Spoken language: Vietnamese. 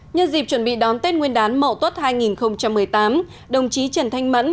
nhân dịp chuẩn bị đón tết nguyên đán mậu tuất hai nghìn một mươi tám đồng chí trần thanh mẫn